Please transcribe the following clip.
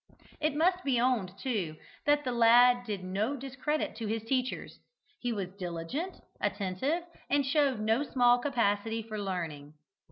It must be owned, too, that the lad did no discredit to his teachers. He was diligent, attentive, and showed no small capacity for learning.